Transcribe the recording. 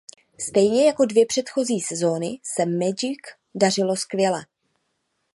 Stejně jako dvě předchozí sezóny se Magic dařilo skvěle.